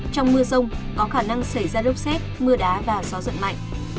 trong mưa rông có khả năng xảy ra lốc xét mưa đá và gió giật mạnh